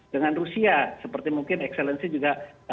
dengan prospek g dua puluh